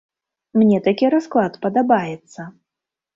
Мне такі расклад падабаецца.